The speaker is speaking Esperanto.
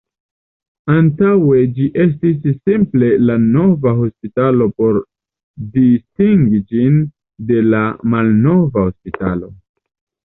Antaŭe ĝi estis simple la Nova hospitalo por distingi ĝin de la Malnova hospitalo.